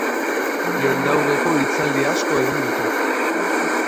Jendaurreko hitzaldi asko egin ditu.